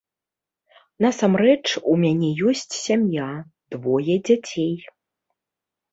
Насамрэч, у мяне ёсць сям'я, двое дзяцей.